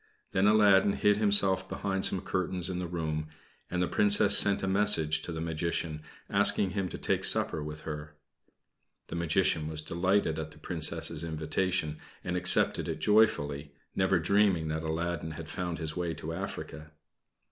Then Aladdin hid himself behind some curtains in the room, and the Princess sent a message to the Magician asking him to take supper with her. The Magician was delighted at the Princess's invitation, and accepted it joyfully, never dreaming that Aladdin had found his way to Africa.